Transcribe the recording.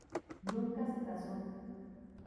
Nunca se casó.